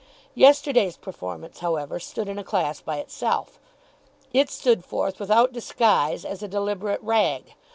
Yesterday's performance, however, stood in a class by itself. It stood forth without disguise as a deliberate rag.